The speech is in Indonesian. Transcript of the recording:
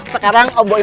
sekarang om boim